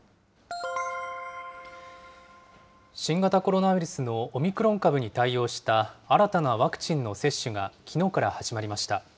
新型コロナウイルスのオミクロン株に対応した新たなワクチンの接種が、きのうから始まりました。